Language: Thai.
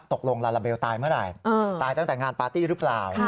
ตกลงลาลาเบลตายเมื่อไหร่ตายตั้งแต่งานปาร์ตี้หรือเปล่า